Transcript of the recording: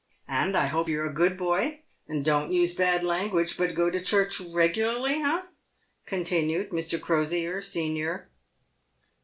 " And I hope you're a good boy, and don't use bad language, but go to church regularly, eh ?" continued Mr. Crosier, senior.